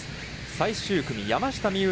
最終組、山下美夢